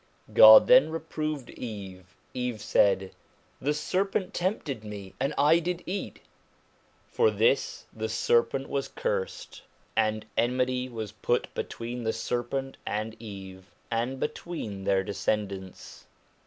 God then reproved Eve ; Eve said ' The serpent tempted me and I did eat.' For this the serpent was cursed, and enmity was put between the serpent and Eve, and between their descendants.